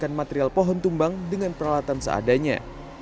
dan material pohon tumbang dengan peralatan seadanya